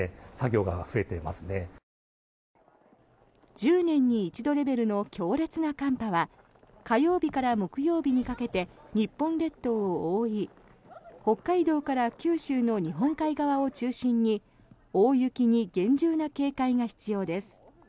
１０年に一度レベルの強烈な寒波は火曜日から木曜日にかけて日本列島を覆い北海道から九州の日本海側を中心に大雪に厳重な警戒が必要です。